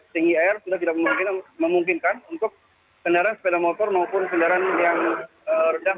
tinggi air sudah tidak memungkinkan untuk kendaraan sepeda motor maupun kendaraan yang rendah